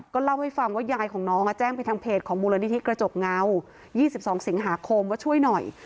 ก็เล่าให้ฟังว่ายายของน้องแจ้งไปทางเพจของมูลนิธิกระจกเงา๒๒สิงหาคมว่าช่วยหน่อย